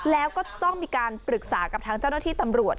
แล้วก็ต้องมีการปรึกษากับทางเจ้าหน้าที่ตำรวจ